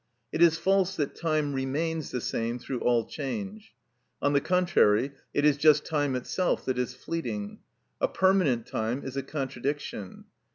It is false that time remains the same through all change; on the contrary, it is just time itself that is fleeting; a permanent time is a contradiction.